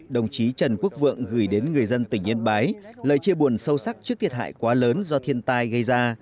đồng chí trần quốc vượng gửi đến người dân tỉnh yên bái lời chia buồn sâu sắc trước thiệt hại quá lớn do thiên tai gây ra